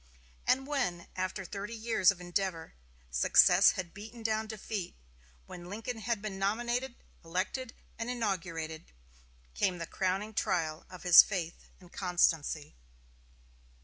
And when, after thirty years of endeavor, success had beaten down defeat; when Lincoln had been nominated elected, and inaugurated, came the crowning trial of his faith and constancy.